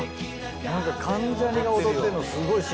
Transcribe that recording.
何か関ジャニが踊ってんのすごい新鮮。